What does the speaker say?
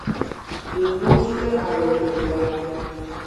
Industria agropecuaria.